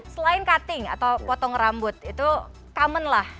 selain cutting atau potong rambut itu common lah